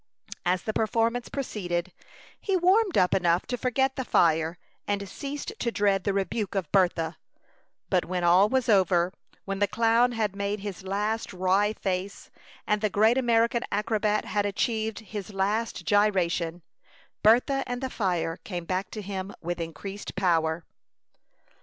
As the performance proceeded, he warmed up enough to forget the fire, and ceased to dread the rebuke of Bertha; but when all was over, when the clown had made his last wry face, and the great American acrobat had achieved his last gyration, Bertha and the fire came back to him with increased power.